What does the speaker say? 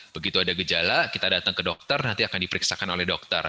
begitu ada gejala kita datang ke dokter nanti akan diperiksakan oleh dokter